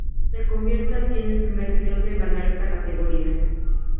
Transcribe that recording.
Se convierte así en el primer piloto en ganar esta categoría.